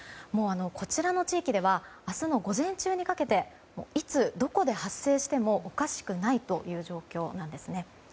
こちらの地域では明日の午前中にかけていつどこで発生してもおかしくないという状況なんですね。